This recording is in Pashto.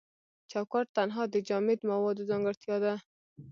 چوکات تنها د جامد موادو ځانګړتیا ده.